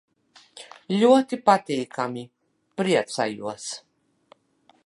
Ļoti patīkami. Priecājos.